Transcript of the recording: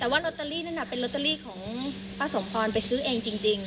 แต่ว่าลอตเตอรี่นั่นน่ะเป็นลอตเตอรี่ของป้าสมพรไปซื้อเองจริง